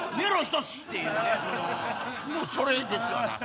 もうそれですわな。